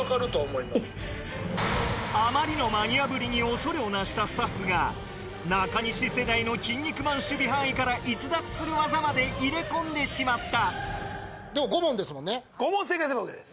あまりのマニアぶりに恐れをなしたスタッフが中西世代の『キン肉マン』守備範囲から逸脱する技まで入れ込んでしまった５問正解すればいいわけです。